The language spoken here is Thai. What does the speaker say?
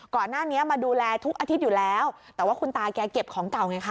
ก่อนหน้านี้มาดูแลทุกอาทิตย์อยู่แล้วแต่ว่าคุณตาแกเก็บของเก่าไงคะ